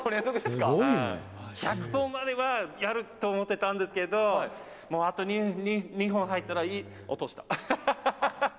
１００本まではやると思ってたんですけど、もうあと２本入ったらいい。